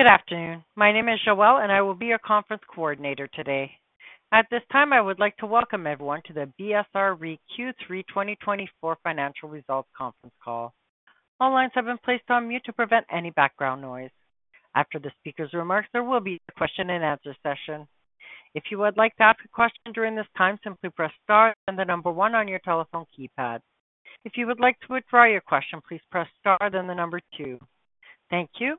Good afternoon. My name is Joelle, and I will be your conference coordinator today. At this time, I would like to welcome everyone to the BSR REIT Q3 2024 financial results conference call. All lines have been placed on mute to prevent any background noise. After the speaker's remarks, there will be a question-and-answer session. If you would like to ask a question during this time, simply press star and then the number one on your telephone keypad. If you would like to withdraw your question, please press star and then the number two. Thank you.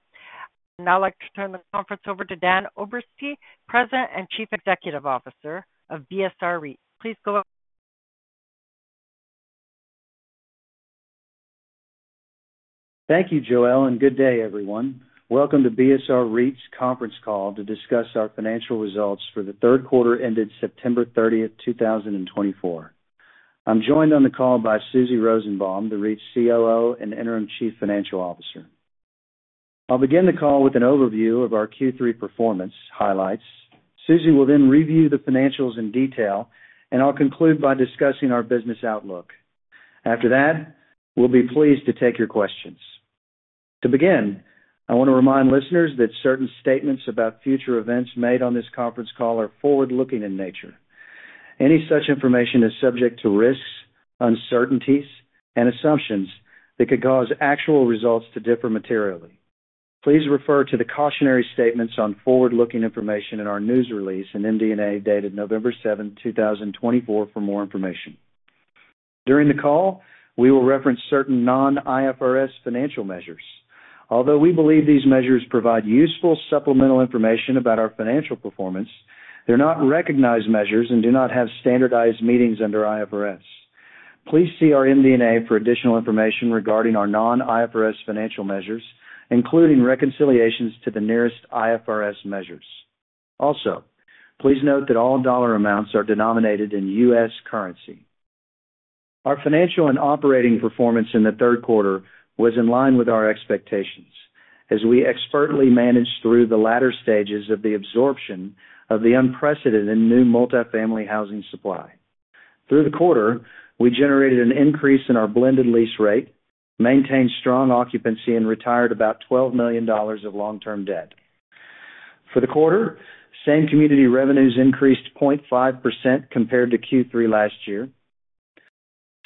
Now, I'd like to turn the conference over to Dan Oberste, President and Chief Executive Officer of BSR REIT. Please go ahead. Thank you, Joelle, and good day, everyone. Welcome to BSR REIT's conference call to discuss our financial results for the third quarter ended September 30, 2024. I'm joined on the call by Susie Rosenbaum, the REIT COO and Interim Chief Financial Officer. I'll begin the call with an overview of our Q3 performance highlights. Susie will then review the financials in detail, and I'll conclude by discussing our business outlook. After that, we'll be pleased to take your questions. To begin, I want to remind listeners that certain statements about future events made on this conference call are forward-looking in nature. Any such information is subject to risks, uncertainties, and assumptions that could cause actual results to differ materially. Please refer to the cautionary statements on forward-looking information in our news release and MD&A dated November 7, 2024, for more information. During the call, we will reference certain non-IFRS financial measures. Although we believe these measures provide useful supplemental information about our financial performance, they're not recognized measures and do not have standardized meanings under IFRS. Please see our MD&A for additional information regarding our non-IFRS financial measures, including reconciliations to the nearest IFRS measures. Also, please note that all dollar amounts are denominated in U.S. currency. Our financial and operating performance in the third quarter was in line with our expectations as we expertly managed through the latter stages of the absorption of the unprecedented new multifamily housing supply. Through the quarter, we generated an increase in our blended lease rate, maintained strong occupancy, and retired about $12 million of long-term debt. For the quarter, same community revenues increased 0.5% compared to Q3 last year.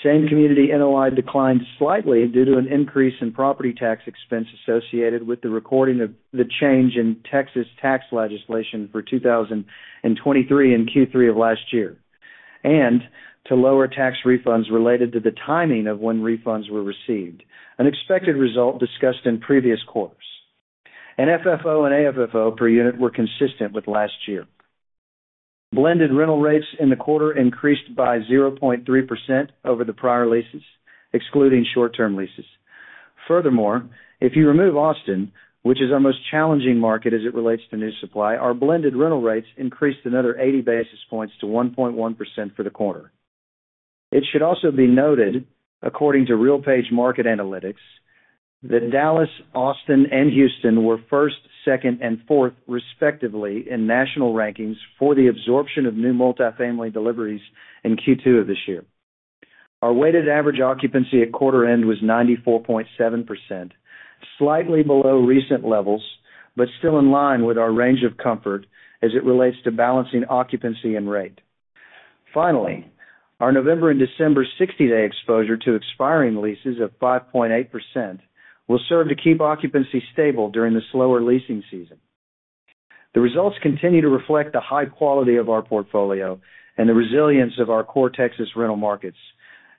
Same community NOI declined slightly due to an increase in property tax expense associated with the recording of the change in Texas tax legislation for 2023 in Q3 of last year, and to lower tax refunds related to the timing of when refunds were received, an expected result discussed in previous quarters. NFFO and AFFO per unit were consistent with last year. Blended rental rates in the quarter increased by 0.3% over the prior leases, excluding short-term leases. Furthermore, if you remove Austin, which is our most challenging market as it relates to new supply, our blended rental rates increased another 80 basis points to 1.1% for the quarter. It should also be noted, according to RealPage Market Analytics, that Dallas, Austin, and Houston were first, second, and fourth, respectively, in national rankings for the absorption of new multifamily deliveries in Q2 of this year. Our weighted average occupancy at quarter-end was 94.7%, slightly below recent levels, but still in line with our range of comfort as it relates to balancing occupancy and rate. Finally, our November and December 60-day exposure to expiring leases of 5.8% will serve to keep occupancy stable during the slower leasing season. The results continue to reflect the high quality of our portfolio and the resilience of our core Texas rental markets,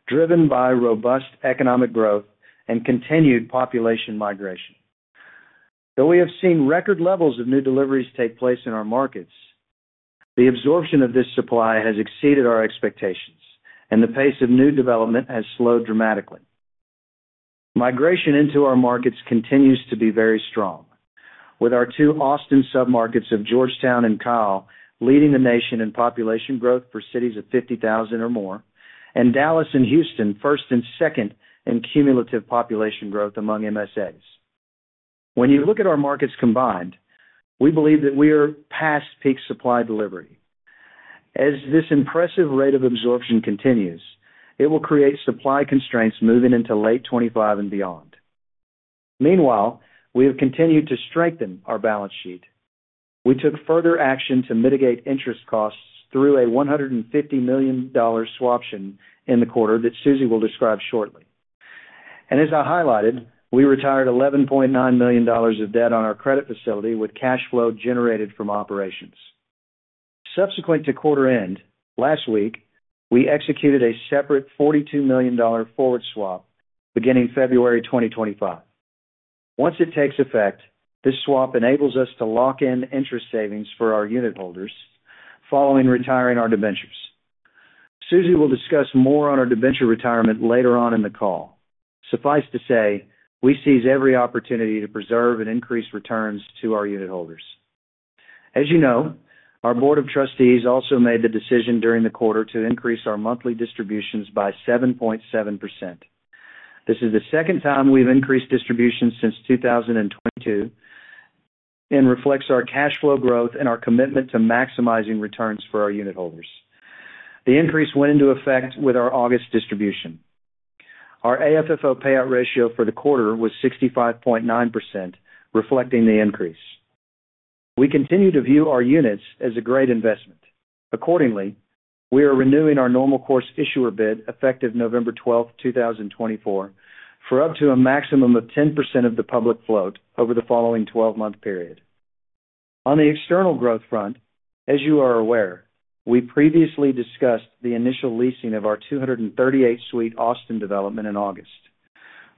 driven by robust economic growth and continued population migration. Though we have seen record levels of new deliveries take place in our markets, the absorption of this supply has exceeded our expectations, and the pace of new development has slowed dramatically. Migration into our markets continues to be very strong, with our two Austin submarkets of Georgetown and Kyle leading the nation in population growth for cities of 50,000 or more, and Dallas and Houston first and second in cumulative population growth among MSAs. When you look at our markets combined, we believe that we are past peak supply delivery. As this impressive rate of absorption continues, it will create supply constraints moving into late 2025 and beyond. Meanwhile, we have continued to strengthen our balance sheet. We took further action to mitigate interest costs through a $150 million swaption in the quarter that Susie will describe shortly. And as I highlighted, we retired $11.9 million of debt on our credit facility with cash flow generated from operations. Subsequent to quarter-end, last week, we executed a separate $42 million forward swap beginning February 2025. Once it takes effect, this swap enables us to lock in interest savings for our unit holders following retiring our debentures. Susie will discuss more on our debentures retirement later on in the call. Suffice to say, we seize every opportunity to preserve and increase returns to our unit holders. As you know, our Board of Trustees also made the decision during the quarter to increase our monthly distributions by 7.7%. This is the second time we've increased distributions since 2022 and reflects our cash flow growth and our commitment to maximizing returns for our unit holders. The increase went into effect with our August distribution. Our AFFO payout ratio for the quarter was 65.9%, reflecting the increase. We continue to view our units as a great investment. Accordingly, we are renewing our normal course issuer bid effective November 12, 2024, for up to a maximum of 10% of the public float over the following 12-month period. On the external growth front, as you are aware, we previously discussed the initial leasing of our 238-suite Austin development in August.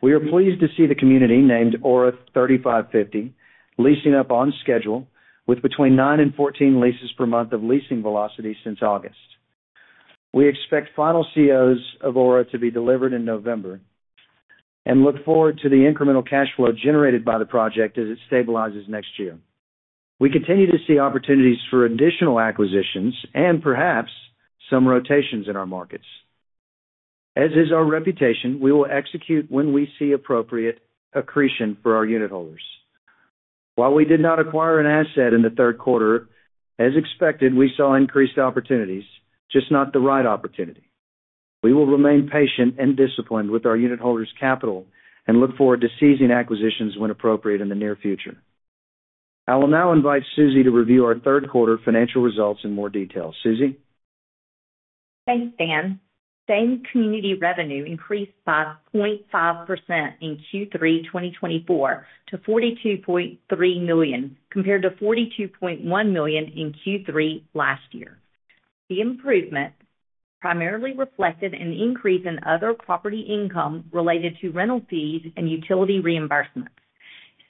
We are pleased to see the community named Aura 35Fifty leasing up on schedule, with between nine and 14 leases per month of leasing velocity since August. We expect final COs of Aura to be delivered in November and look forward to the incremental cash flow generated by the project as it stabilizes next year. We continue to see opportunities for additional acquisitions and perhaps some rotations in our markets. As is our reputation, we will execute when we see appropriate accretion for our unit holders. While we did not acquire an asset in the third quarter, as expected, we saw increased opportunities, just not the right opportunity. We will remain patient and disciplined with our unit holders' capital and look forward to seizing acquisitions when appropriate in the near future. I will now invite Susie to review our third quarter financial results in more detail. Susie? Thanks, Dan. Same community revenue increased by 0.5% in Q3 2024 to $42.3 million compared to $42.1 million in Q3 last year. The improvement primarily reflected an increase in other property income related to rental fees and utility reimbursements.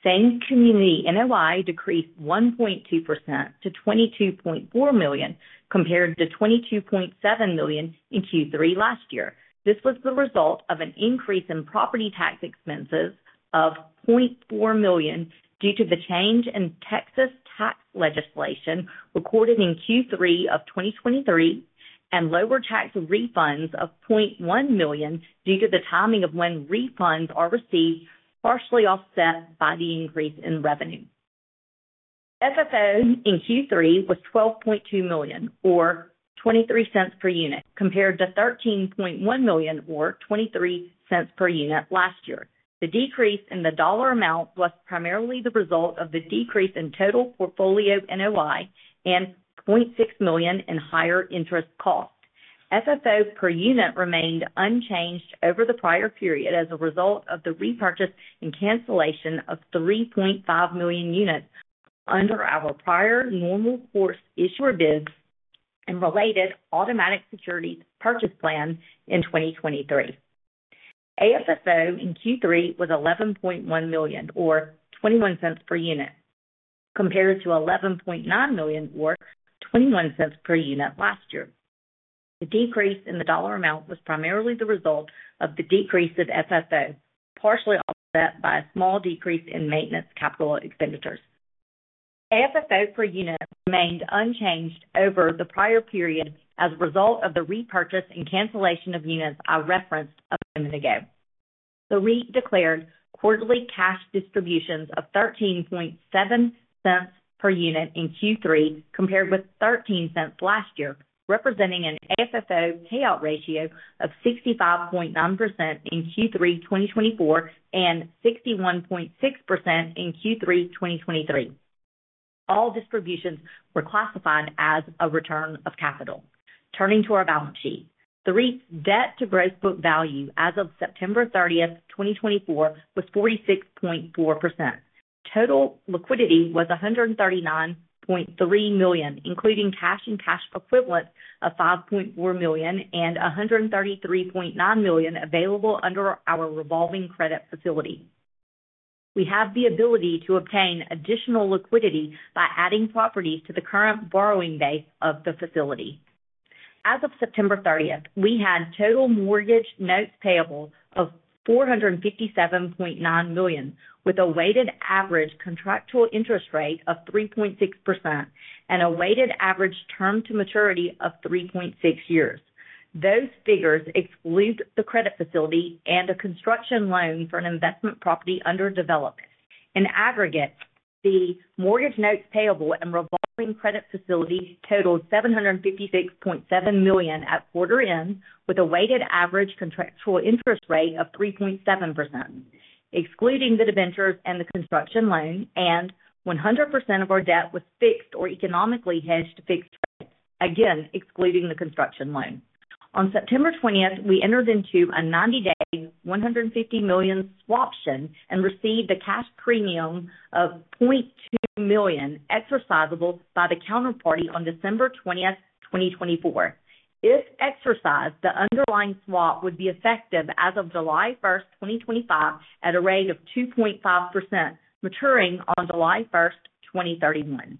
Same community NOI decreased 1.2% to $22.4 million compared to $22.7 million in Q3 last year. This was the result of an increase in property tax expenses of $0.4 million due to the change in Texas tax legislation recorded in Q3 of 2023 and lower tax refunds of $0.1 million due to the timing of when refunds are received, partially offset by the increase in revenue. FFO in Q3 was $12.2 million, or $0.23 per unit, compared to $13.1 million, or $0.23 per unit last year. The decrease in the dollar amount was primarily the result of the decrease in total portfolio NOI and $0.6 million in higher interest cost. FFO per unit remained unchanged over the prior period as a result of the repurchase and cancellation of 3.5 million units under our prior normal course issuer bid and related automatic securities purchase plan in 2023. AFFO in Q3 was $11.1 million, or $0.21 per unit, compared to $11.9 million, or $0.21 per unit last year. The decrease in the dollar amount was primarily the result of the decrease of FFO, partially offset by a small decrease in maintenance capital expenditures. AFFO per unit remained unchanged over the prior period as a result of the repurchase and cancellation of units I referenced a minute ago. The REIT declared quarterly cash distributions of $0.137 per unit in Q3 compared with $0.13 last year, representing an AFFO payout ratio of 65.9% in Q3 2024 and 61.6% in Q3 2023. All distributions were classified as a return of capital. Turning to our balance sheet, the REIT's debt to gross book value as of September 30, 2024, was 46.4%. Total liquidity was $139.3 million, including cash and cash equivalents of $5.4 million and $133.9 million available under our revolving credit facility. We have the ability to obtain additional liquidity by adding properties to the current borrowing base of the facility. As of September 30, we had total mortgage notes payable of $457.9 million, with a weighted average contractual interest rate of 3.6% and a weighted average term to maturity of 3.6 years. Those figures exclude the credit facility and a construction loan for an investment property under development. In aggregate, the mortgage notes payable and revolving credit facility totaled $756.7 million at quarter-end, with a weighted average contractual interest rate of 3.7%, excluding the debentures and the construction loan, and 100% of our debt was fixed or economically hedged to fixed rates, again excluding the construction loan. On September 20, we entered into a 90-day, $150 million swaption and received a cash premium of $0.2 million exercisable by the counterparty on December 20, 2024. If exercised, the underlying swap would be effective as of July 1, 2025, at a rate of 2.5%, maturing on July 1, 2031.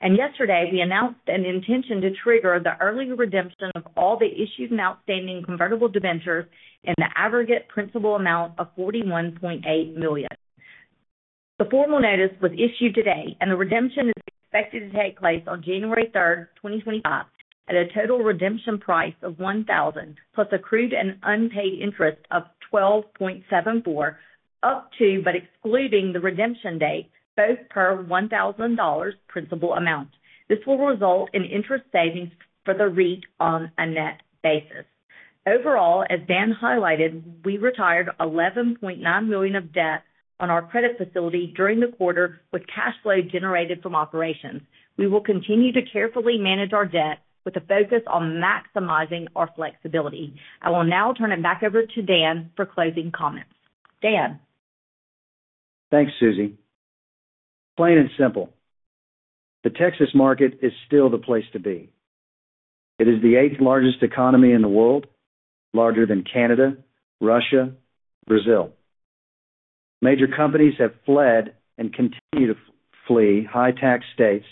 And yesterday, we announced an intention to trigger the early redemption of all the issued and outstanding convertible debentures in the aggregate principal amount of $41.8 million. The formal notice was issued today, and the redemption is expected to take place on January 3, 2025, at a total redemption price of $1,000 plus accrued and unpaid interest of 12.74, up to, but excluding the redemption date, both per $1,000 principal amount. This will result in interest savings for the REIT on a net basis. Overall, as Dan highlighted, we retired $11.9 million of debt on our credit facility during the quarter with cash flow generated from operations. We will continue to carefully manage our debt with a focus on maximizing our flexibility. I will now turn it back over to Dan for closing comments. Dan? Thanks, Susie. Plain and simple, the Texas market is still the place to be. It is the eighth largest economy in the world, larger than Canada, Russia, Brazil. Major companies have fled and continue to flee high-tax states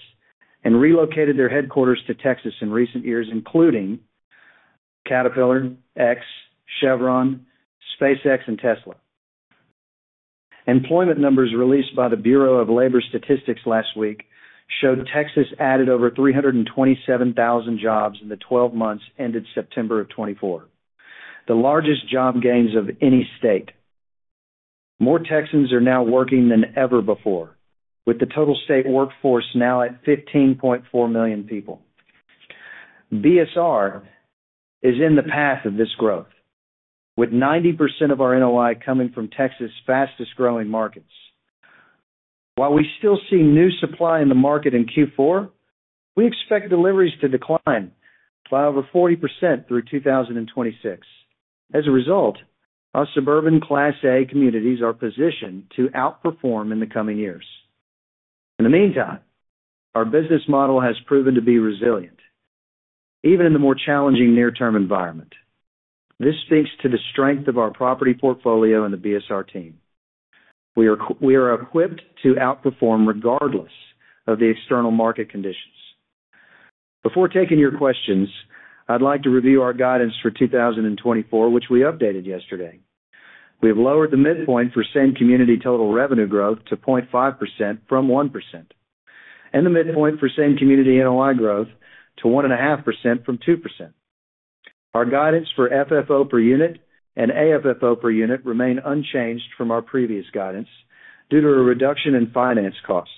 and relocated their headquarters to Texas in recent years, including Caterpillar, X, Chevron, SpaceX, and Tesla. Employment numbers released by the Bureau of Labor Statistics last week showed Texas added over 327,000 jobs in the 12 months ended September of 2024, the largest job gains of any state. More Texans are now working than ever before, with the total state workforce now at 15.4 million people. BSR is in the path of this growth, with 90% of our NOI coming from Texas' fastest-growing markets. While we still see new supply in the market in Q4, we expect deliveries to decline by over 40% through 2026. As a result, our suburban Class A communities are positioned to outperform in the coming years. In the meantime, our business model has proven to be resilient, even in the more challenging near-term environment. This speaks to the strength of our property portfolio and the BSR team. We are equipped to outperform regardless of the external market conditions. Before taking your questions, I'd like to review our guidance for 2024, which we updated yesterday. We have lowered the midpoint for same community total revenue growth to 0.5% from 1% and the midpoint for same community NOI growth to 1.5% from 2%. Our guidance for FFO per unit and AFFO per unit remain unchanged from our previous guidance due to a reduction in finance costs,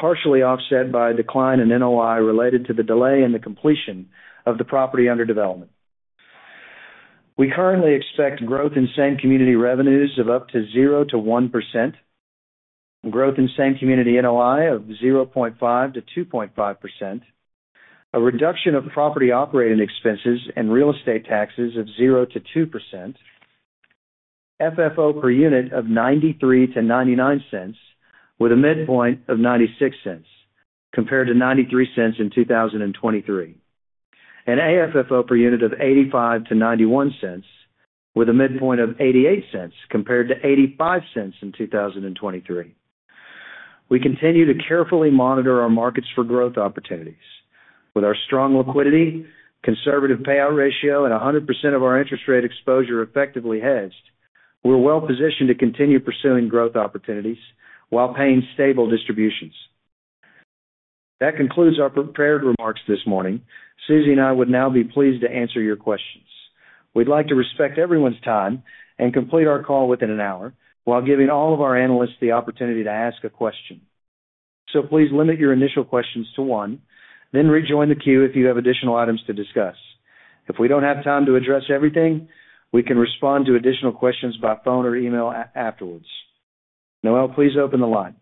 partially offset by a decline in NOI related to the delay in the completion of the property under development. We currently expect growth in same community revenues of up to 0%-1%, growth in same community NOI of 0.5%-2.5%, a reduction of property operating expenses and real estate taxes of 0%-2%, FFO per unit of $0.93-$0.99, with a midpoint of $0.96 compared to $0.93 in 2023, and AFFO per unit of $0.85-$0.91, with a midpoint of $0.88 compared to $0.85 in 2023. We continue to carefully monitor our markets for growth opportunities. With our strong liquidity, conservative payout ratio, and 100% of our interest rate exposure effectively hedged, we're well-positioned to continue pursuing growth opportunities while paying stable distributions. That concludes our prepared remarks this morning. Susie and I would now be pleased to answer your questions. We'd like to respect everyone's time and complete our call within an hour while giving all of our analysts the opportunity to ask a question. So please limit your initial questions to one, then rejoin the queue if you have additional items to discuss. If we don't have time to address everything, we can respond to additional questions by phone or email afterwards. Joelle, please open the line.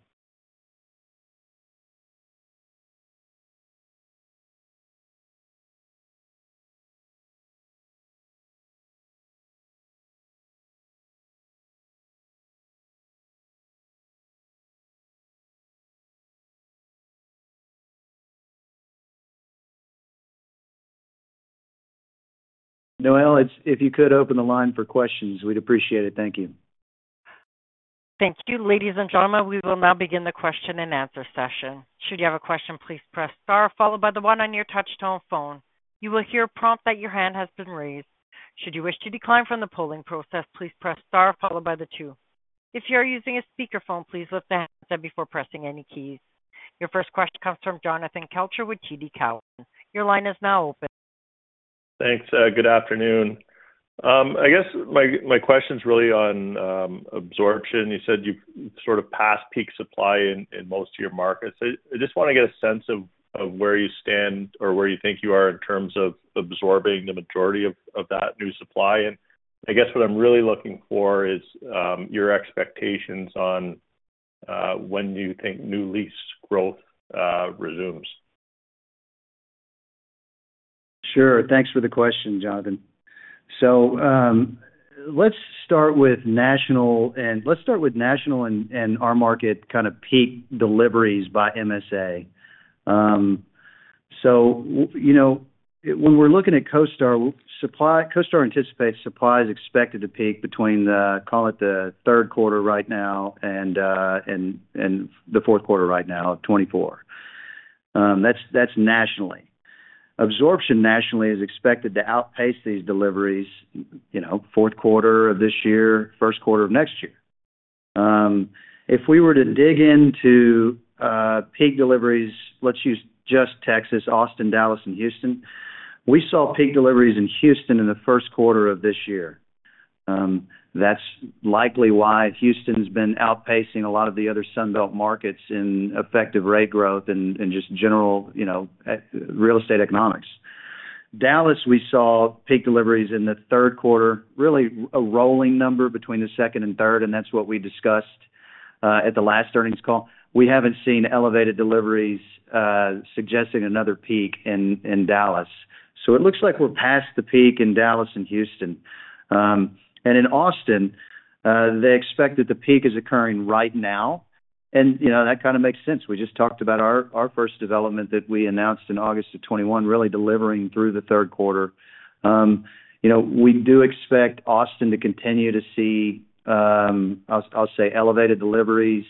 Joelle, if you could open the line for questions, we'd appreciate it. Thank you. Thank you. Ladies and gentlemen, we will now begin the question-and-answer session. Should you have a question, please press star, followed by the one on your touch-tone phone. You will hear a prompt that your hand has been raised. Should you wish to decline from the polling process, please press star, followed by the two. If you are using a speakerphone, please lift the handset before pressing any keys. Your first question comes from Jonathan Kelcher with TD Cowen. Your line is now open. Thanks. Good afternoon. I guess my question's really on absorption. You said you've sort of passed peak supply in most of your markets. I just want to get a sense of where you stand or where you think you are in terms of absorbing the majority of that new supply. And I guess what I'm really looking for is your expectations on when you think new lease growth resumes. Sure. Thanks for the question, Jonathan. So let's start with national and our market kind of peak deliveries by MSA. So when we're looking at CoStar, CoStar anticipates supplies expected to peak between, call it the third quarter right now and the fourth quarter right now of 2024. That's nationally. Absorption nationally is expected to outpace these deliveries, fourth quarter of this year, first quarter of next year. If we were to dig into peak deliveries, let's use just Texas, Austin, Dallas, and Houston. We saw peak deliveries in Houston in the first quarter of this year. That's likely why Houston's been outpacing a lot of the other Sunbelt markets in effective rate growth and just general real estate economics. Dallas, we saw peak deliveries in the third quarter, really a rolling number between the second and third, and that's what we discussed at the last earnings call. We haven't seen elevated deliveries, suggesting another peak in Dallas. It looks like we're past the peak in Dallas and Houston. In Austin, they expect that the peak is occurring right now. That kind of makes sense. We just talked about our first development that we announced in August of 2021, really delivering through the third quarter. We do expect Austin to continue to see, I'll say, elevated deliveries,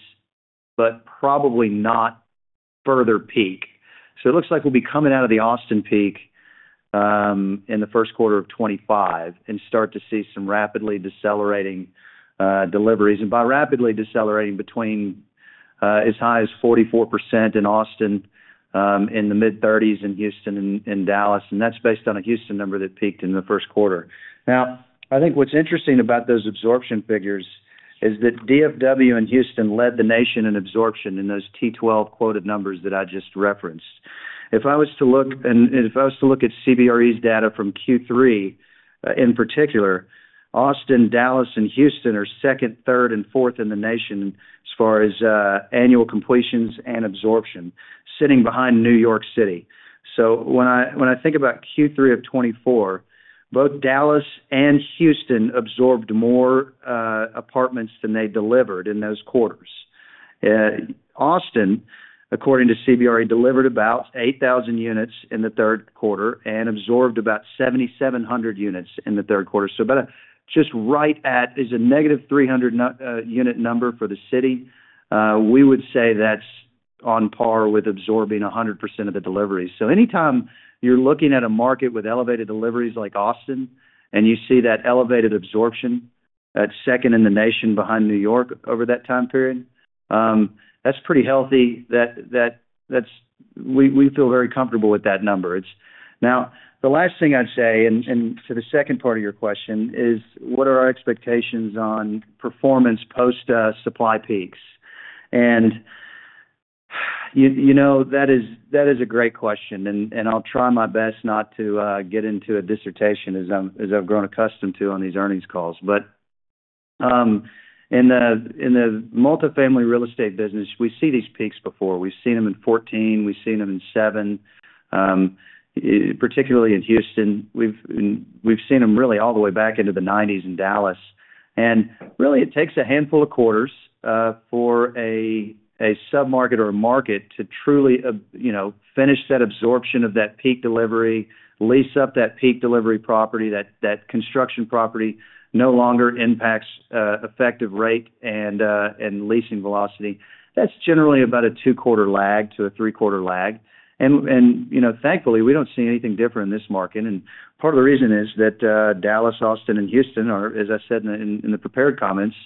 but probably not further peak. It looks like we'll be coming out of the Austin peak in the first quarter of 2025 and start to see some rapidly decelerating deliveries. By rapidly decelerating, between as high as 44% in Austin, in the mid-30s in Houston, and Dallas. That's based on a Houston number that peaked in the first quarter. Now, I think what's interesting about those absorption figures is that DFW and Houston led the nation in absorption in those T12 quoted numbers that I just referenced. If I was to look at CBRE's data from Q3 in particular, Austin, Dallas, and Houston are second, third, and fourth in the nation as far as annual completions and absorption, sitting behind New York City. When I think about Q3 of 2024, both Dallas and Houston absorbed more apartments than they delivered in those quarters. Austin, according to CBRE, delivered about 8,000 units in the third quarter and absorbed about 7,700 units in the third quarter. About just right at is a -300-unit number for the city. We would say that's on par with absorbing 100% of the deliveries, so anytime you're looking at a market with elevated deliveries like Austin, and you see that elevated absorption, that's second in the nation behind New York over that time period, that's pretty healthy. We feel very comfortable with that number. Now, the last thing I'd say, and to the second part of your question, is what are our expectations on performance post-supply peaks, and that is a great question, and I'll try my best not to get into a dissertation, as I've grown accustomed to on these earnings calls, but in the multifamily real estate business, we've seen these peaks before. We've seen them in 2014. We've seen them in 2007, particularly in Houston. We've seen them really all the way back into the 1990s in Dallas. Really, it takes a handful of quarters for a submarket or a market to truly finish that absorption of that peak delivery, lease up that peak delivery property, that construction property no longer impacts effective rate and leasing velocity. That's generally about a two-quarter lag to a three-quarter lag. Thankfully, we don't see anything different in this market. Part of the reason is that Dallas, Austin, and Houston are, as I said in the prepared comments,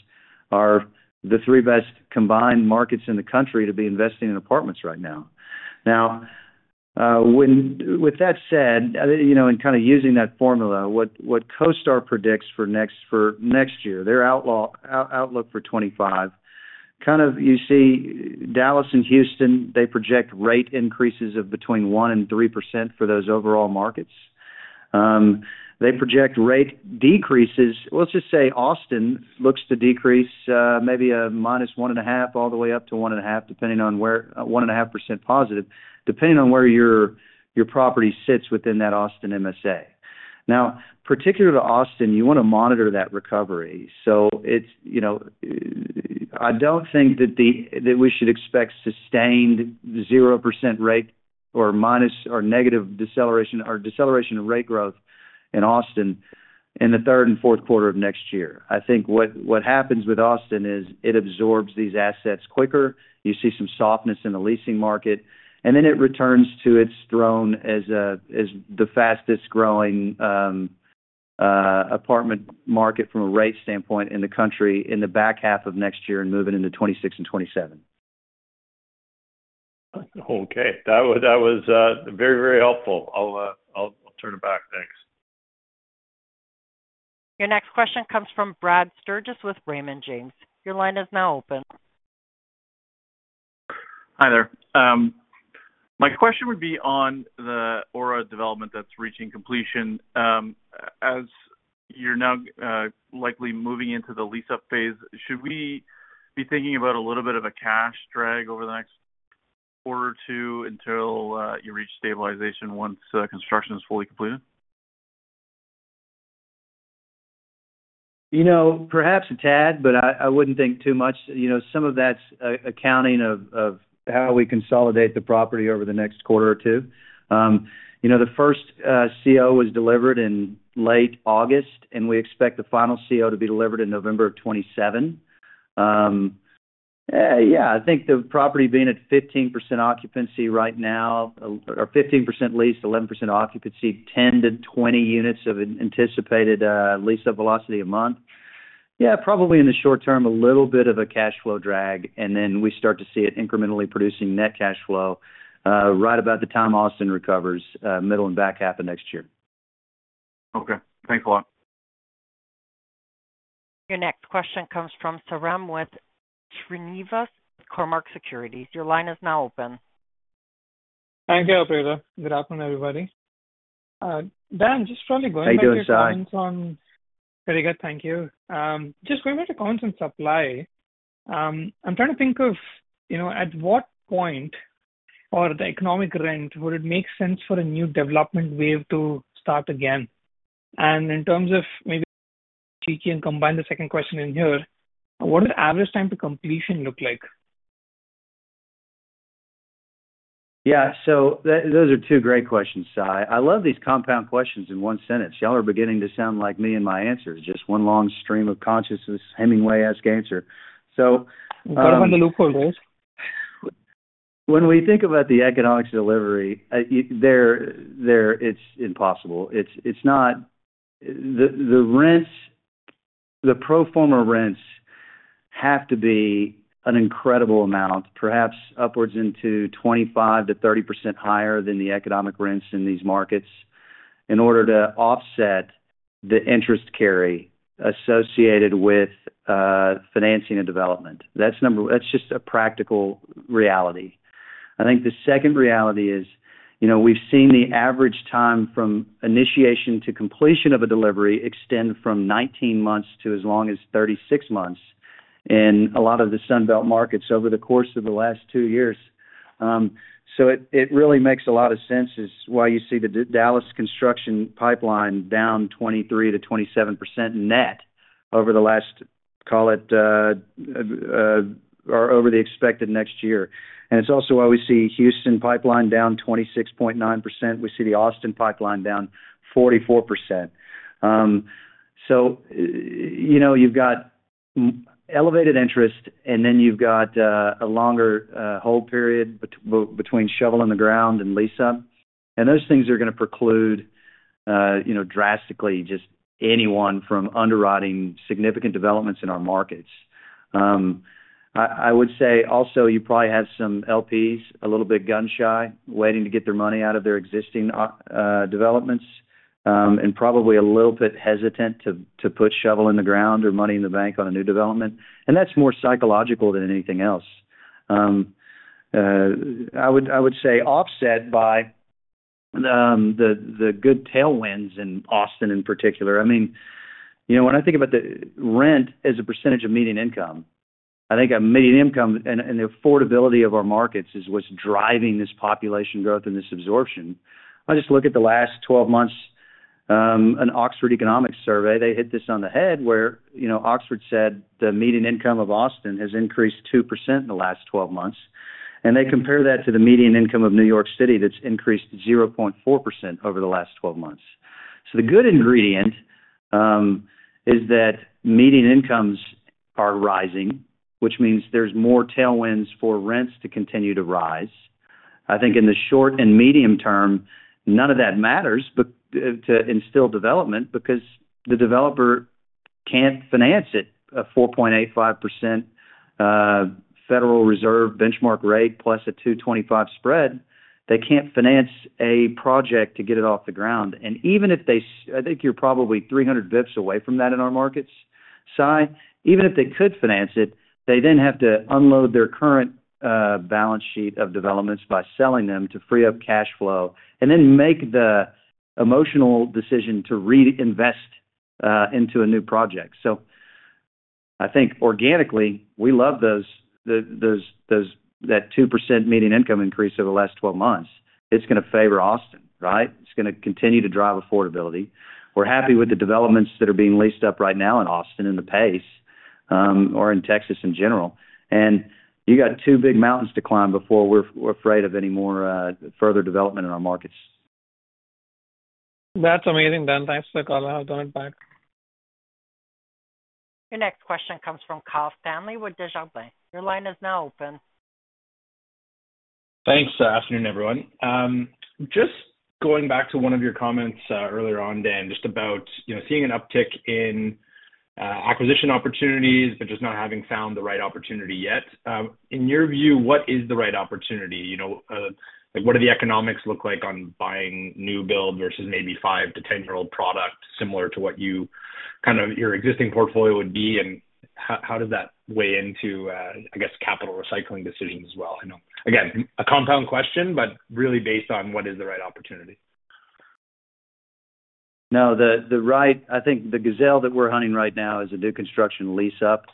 the three best combined markets in the country to be investing in apartments right now. Now, with that said, and kind of using that formula, what CoStar predicts for next year, their outlook for 2025, kind of you see Dallas and Houston, they project rate increases of between one and three% for those overall markets. They project rate decreases. Let's just say Austin looks to decrease maybe -1.5% to 1.5%, depending on where one and a half percent positive, depending on where your property sits within that Austin MSA. Now, particularly to Austin, you want to monitor that recovery. So I don't think that we should expect sustained 0% rate or negative deceleration or deceleration in rate growth in Austin in the third and fourth quarter of next year. I think what happens with Austin is it absorbs these assets quicker. You see some softness in the leasing market, and then it returns to its throne as the fastest-growing apartment market from a rate standpoint in the country in the back half of next year and moving into 2026 and 2027. Okay. That was very, very helpful. I'll turn it back. Thanks. Your next question comes from Brad Sturges with Raymond James. Your line is now open. Hi there. My question would be on the Aura development that's reaching completion. As you're now likely moving into the lease-up phase, should we be thinking about a little bit of a cash drag over the next quarter or two until you reach stabilization once construction is fully completed? Perhaps a tad, but I wouldn't think too much. Some of that's accounting of how we consolidate the property over the next quarter or two. The first CO was delivered in late August, and we expect the final CO to be delivered in November of 2027. Yeah, I think the property being at 15% occupancy right now, or 15% leased, 11% occupancy, 10-20 units of anticipated lease-up velocity a month. Yeah, probably in the short term, a little bit of a cash flow drag, and then we start to see it incrementally producing net cash flow right about the time Austin recovers middle and back half of next year. Okay. Thanks a lot. Your next question comes from Sairam Srinivas with Cormark Securities. Your line is now open. Thank you, operator. Good afternoon, everybody. How are you doing Sai? Very good. Thank you. Just going back to comments on supply, I'm trying to think of at what point, or the economic rent, would it make sense for a new development wave to start again? And in terms of maybe tweaking and combine the second question in here, what would average time to completion look like? Yeah. So those are two great questions, Sai. I love these compound questions in one sentence. Y'all are beginning to sound like me and my answers. Just one long stream of consciousness, Hemingway-esque answer. So. I'm kind of on the loophole, guys. When we think about the economics of delivery, it's impossible. The rents, the pro forma rents have to be an incredible amount, perhaps upwards into 25%-30% higher than the economic rents in these markets in order to offset the interest carry associated with financing a development. That's just a practical reality. I think the second reality is we've seen the average time from initiation to completion of a delivery extend from 19 months to as long as 36 months in a lot of the Sunbelt markets over the course of the last two years. So it really makes a lot of sense as why you see the Dallas construction pipeline down 23%-27% net over the last, call it, or over the expected next year. And it's also why we see Houston pipeline down 26.9%. We see the Austin pipeline down 44%. So you've got elevated interest, and then you've got a longer hold period between shoveling the ground and lease-up. And those things are going to preclude drastically just anyone from underwriting significant developments in our markets. I would say also you probably have some LPs a little bit gun-shy waiting to get their money out of their existing developments and probably a little bit hesitant to put shoveling the ground or money in the bank on a new development. And that's more psychological than anything else. I would say offset by the good tailwinds in Austin in particular. I mean, when I think about the rent as a percentage of median income, I think median income and the affordability of our markets is what's driving this population growth and this absorption. I just look at the last 12 months. An Oxford Economics survey, they hit this on the head where Oxford said the median income of Austin has increased 2% in the last 12 months. And they compare that to the median income of New York City that's increased 0.4% over the last 12 months. So the good ingredient is that median incomes are rising, which means there's more tailwinds for rents to continue to rise. I think in the short and medium term, none of that matters to infill development because the developer can't finance it. A 4.85% Federal Reserve benchmark rate plus a 225 spread, they can't finance a project to get it off the ground. And even if the, I think you're probably 300 basis points away from that in our markets, Si. Even if they could finance it, they then have to unload their current balance sheet of developments by selling them to free up cash flow and then make the emotional decision to reinvest into a new project. So I think organically, we love that 2% median income increase over the last 12 months. It's going to favor Austin, right? It's going to continue to drive affordability. We're happy with the developments that are being leased up right now in Austin and the pace or in Texas in general. And you got two big mountains to climb before we're afraid of any more further development in our markets. That's amazing, Dan. Thanks for the call. I'll turn it back. Your next question comes from Kyle Stanley with Desjardins. Your line is now open. Thanks. Afternoon, everyone. Just going back to one of your comments earlier on, Dan, just about seeing an uptick in acquisition opportunities, but just not having found the right opportunity yet. In your view, what is the right opportunity? What do the economics look like on buying a new build versus maybe 5-10-year-old product similar to what your existing portfolio would be? And how does that weigh into, I guess, capital recycling decisions as well? Again, a compound question, but really based on what is the right opportunity? No. I think the gazelle that we're hunting right now is a new construction lease-up.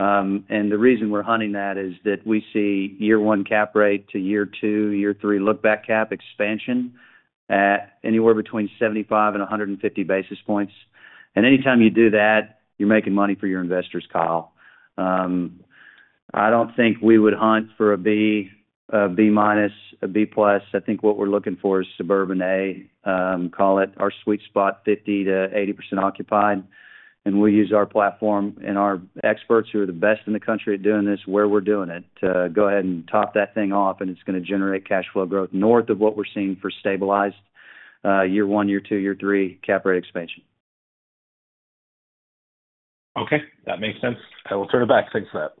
And the reason we're hunting that is that we see year one cap rate to year two, year three look-back cap expansion anywhere between 75 and 150 basis points. And anytime you do that, you're making money for your investors, Kyle. I don't think we would hunt for a B, a B-, a B+. I think what we're looking for is suburban A, call it our sweet spot, 50%-80% occupied. And we use our platform and our experts who are the best in the country at doing this where we're doing it to go ahead and top that thing off, and it's going to generate cash flow growth north of what we're seeing for stabilized year one, year two, year three cap rate expansion. Okay. That makes sense. I will turn it back. Thanks for that.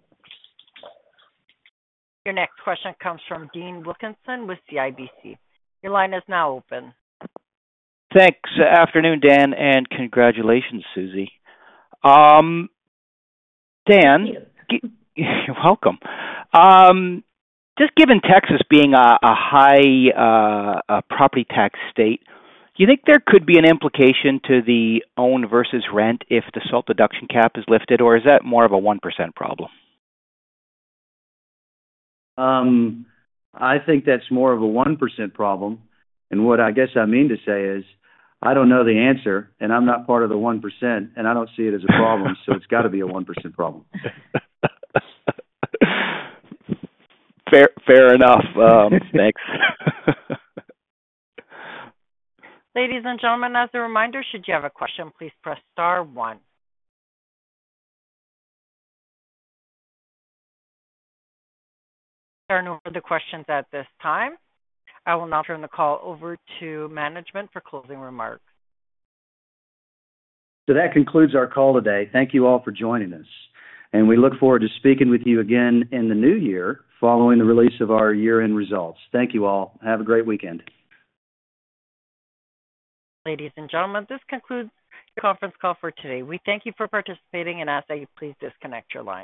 Your next question comes from Dean Wilkinson with CIBC. Your line is now open. Thanks. Afternoon, Dan, and congratulations, Susie. Dan. Thank you. You're welcome. Just given Texas being a high property tax state, do you think there could be an implication to the own versus rent if the SALT deduction cap is lifted, or is that more of a 1% problem? I think that's more of a 1% problem. And what I guess I mean to say is I don't know the answer, and I'm not part of the 1%, and I don't see it as a problem. So it's got to be a 1% problem. Fair enough. Thanks. Ladies and gentlemen, as a reminder, should you have a question, please press star one. There are no further questions at this time. I will now turn the call over to management for closing remarks. So that concludes our call today. Thank you all for joining us. And we look forward to speaking with you again in the new year, following the release of our year-end results. Thank you all. Have a great weekend. Ladies and gentlemen, this concludes the conference call for today. We thank you for participating, and ask that you please disconnect your line.